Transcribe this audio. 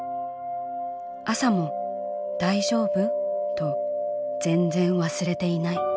朝も『大丈夫？』と全然わすれていない。